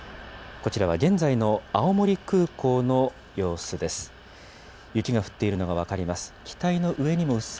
こちらは現在の青森空港の様子です。